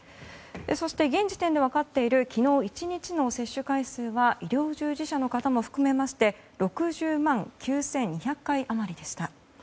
そして現時点で分かっている昨日１日の接種回数は医療従事者の方も含めまして６０万９２００回余りでした。